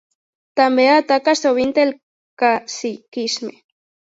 També ataca sovint el caciquisme.